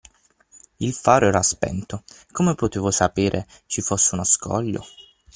Il faro era spento, come potevo sapere ci fosse uno scoglio?